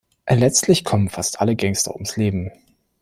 Letztlich kommen fast alle Gangster ums Leben.